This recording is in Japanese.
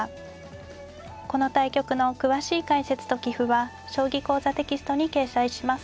この対局の詳しい解説と棋譜は「将棋講座」テキストに掲載します。